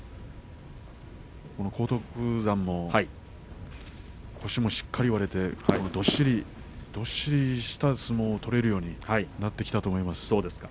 荒篤山も腰もしっかり割れてどっしりした相撲が取れるようになってきたと思います。